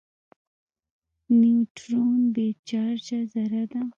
نیوټرون بې چارجه ذره ده.